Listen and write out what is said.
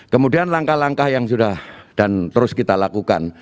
kemudian langkah langkah yang sudah dan terus kita lakukan